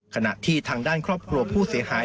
ขณะที่ทางด้านครอบครัวผู้เสียหาย